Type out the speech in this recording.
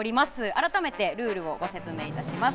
改めてルールをご説明いたします。